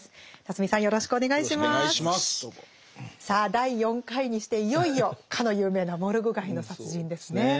さあ第４回にしていよいよかの有名な「モルグ街の殺人」ですね。